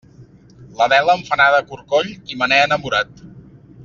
L'Adela em fa anar de corcoll i me n'he enamorat.